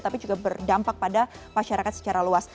tapi juga berdampak pada masyarakat secara luas